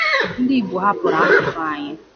Ndịigbo hapụrụ asụsụ anyị